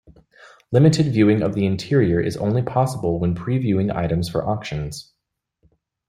Limited viewing of the interior is only possible when previewing items for auctions.